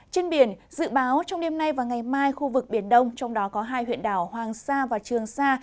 trên biển dự báo trong đêm nay và ngày mai khu vực biển đông trong đó có hai huyện đảo hoàng sa và trường sa